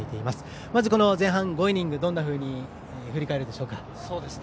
まず前半５イニングどんなふうに振り返りますか。